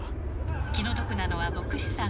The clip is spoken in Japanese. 気の毒なのは牧師さん。